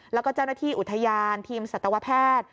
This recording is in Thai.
แล้วก็เจ้าหน้าที่อุทยานทีมสัตวแพทย์